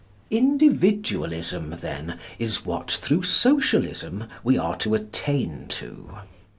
Individualism, then, is what through Socialism we are to attain to.